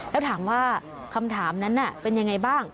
แล้วถามว่าคำถามนั้นเป็นยังไงบ้าง